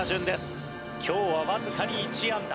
今日はわずかに１安打。